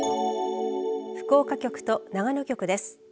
福岡局と長野局です。